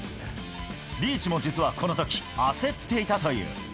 リーチも実はこのとき、焦っていたという。